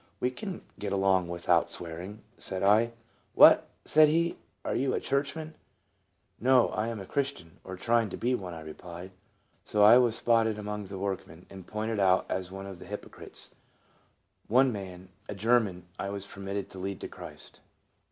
" We can get along without swearing," said I. " What !" said he, " are you a churchman ?" "No, I am a Christian, or trying to be one," I replied. So I was spotted among the workmen, and pointed out as one of the " hypocrites." One man, a German, I was permitted to lead to Christ.